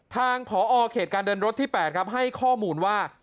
ทางผอเขตการเดินรถที่๘ครับให้ข้อมูลว่า